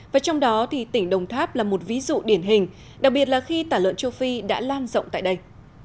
và trong đó thì tỉnh đồng tháp là một ví dụ điển hình đặc biệt là khi tả lợn châu phi đã lan rộng tại đây